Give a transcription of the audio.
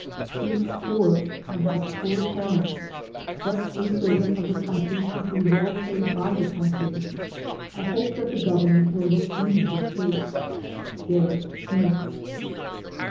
She is poor and has poor parents. Such a servant of the country should be well paid by the country. I hope that the Government will look into her case. GERRIT SMITH.